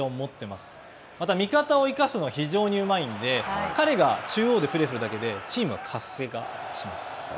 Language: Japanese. また味方を生かすのが非常にうまいんで、彼が中央でプレーするだけでチームが活性化します。